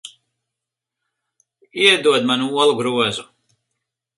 Iedod man olu grozu.